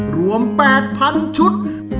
รวม๘๐๐๐ชุด